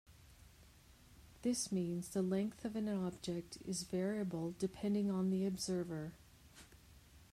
This means length of an object is variable depending on the observer.